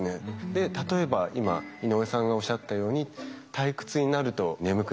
例えば今井上さんがおっしゃったように退屈になると眠くなる。